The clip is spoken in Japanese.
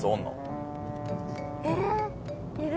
ええいる？